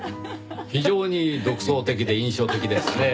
非常に独創的で印象的ですねぇ。